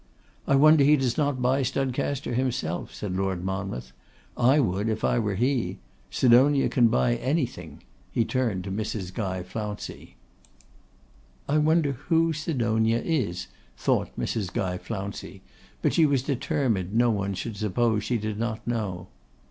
'I wonder he does not buy Studcaster himself,' said Lord Monmouth; 'I would if I were he; Sidonia can buy anything,' he turned to Mrs. Guy Flouncey. 'I wonder who Sidonia is,' thought Mrs. Guy Flouncey, but she was determined no one should suppose she did not know.